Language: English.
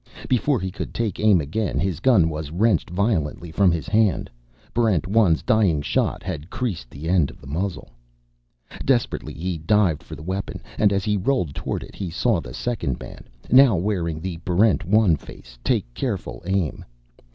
Before he could take aim again, his gun was wrenched violently from his hand. Barrent 1's dying shot had creased the end of the muzzle. Desperately he dived for the weapon, and as he rolled toward it he saw the second man, now wearing the Barrent 1 face, take careful aim.